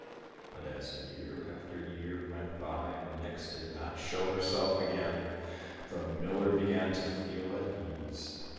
But as year after year went by and the nix did not show herself again, the miller began to feel at ease.